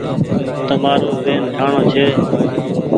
تمآرو زهين ٺآڻوڻ ڇي۔